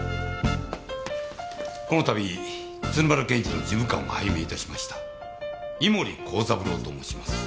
この度鶴丸検事の事務官を拝命致しました井森幸三郎と申します。